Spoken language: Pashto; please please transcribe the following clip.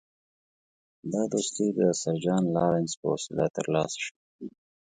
دا دوستي د سر جان لارنس په وسیله ترلاسه شوه.